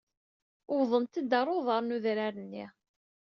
Wwḍent-d ɣer uḍar n udrar-nni.